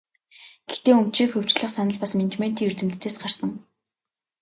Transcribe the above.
Гэхдээ өмчийг хувьчлах санал бас менежментийн эрдэмтдээс гарсан.